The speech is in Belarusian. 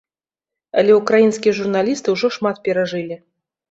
Але ўкраінскія журналісты ўжо шмат перажылі.